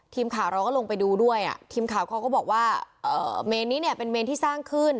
ทีมข่าวเราก็ลงไปดูด้วยอ่ะทีมข่าวเขาก็บอกว่าเมนนี้เนี่ยเป็นเมนที่สร้างขึ้น